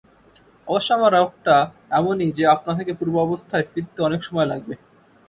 অবশ্য আমার রোগটা এমনই যে আপনা থেকে পূর্বাবস্থায় ফিরতে অনেক সময় লাগবে।